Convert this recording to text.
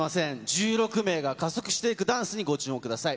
１６名が加速していくダンスにご注目ください。